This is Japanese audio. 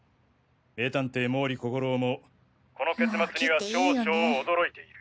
名探偵毛利小五郎もこの結末には少々驚いている。